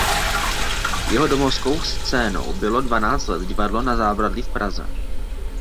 Jeho domovskou scénou bylo dvanáct let Divadlo Na zábradlí v Praze.